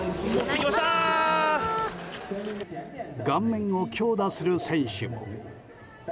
顔面を強打する選手も。